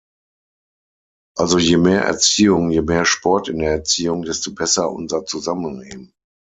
Also je mehr Erziehung, je mehr Sport in der Erziehung, desto besser unser Zusammenleben.